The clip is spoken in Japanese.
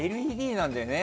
ＬＥＤなんでね